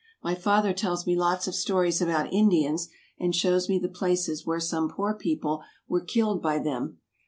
My father tells me lots of stories about Indians, and shows me the places where some poor people were killed by them.